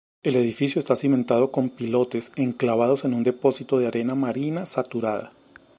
El edificio está cimentado con pilotes enclavados en un depósito de arena marina saturada.